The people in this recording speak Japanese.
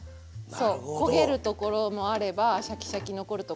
そう焦げるところもあればシャキシャキ残るところも。